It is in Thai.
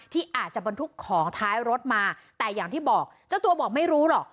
ที่อาจจะบรรทุกของท้ายรถมาแต่อย่างที่บอกเจ้าตัวบอกไม่รู้หรอก